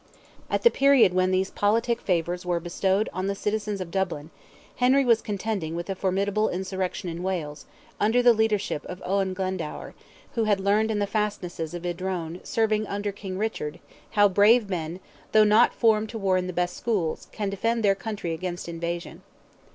At the period when these politic favours were bestowed on the citizens of Dublin, Henry was contending with a formidable insurrection in Wales, under the leadership of Owen Glendower, who had learned in the fastnesses of Idrone, serving under King Richard, how brave men, though not formed to war in the best schools, can defend their country against invasion.